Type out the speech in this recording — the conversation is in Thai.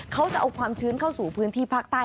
เขาจะเอาความชื้นเข้าสู่พื้นที่ภาคใต้